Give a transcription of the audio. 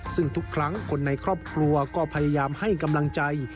ซึ่งทุกครั้งคนในครอบครัวก็พยายามให้กำลังใจ